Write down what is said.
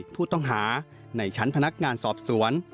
ผู้ต้องหาในชั้นพนักงานสอบสวน